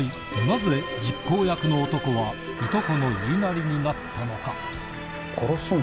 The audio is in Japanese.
なぜ実行役の男はいとこの言いなりになったのか？